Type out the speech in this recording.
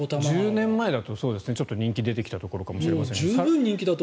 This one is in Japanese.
１０年前だとちょっと人気が出てきたところかもしれないですね。